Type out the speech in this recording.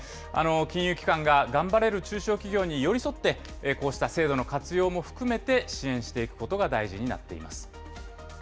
金融機関が頑張れる中小企業に寄り添って、こうした制度の活用も含めて、支援していくことが大事になっています。